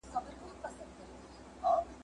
يو ناپوه دئ په گونگۍ ژبه گويان دئ !.